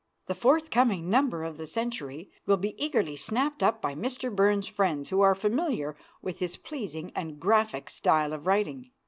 The forthcoming number of the Century will be eagerly snapped up by Mr. Burns' friends who are familiar with his pleasing and graphic style of writing.